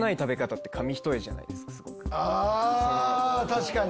確かに！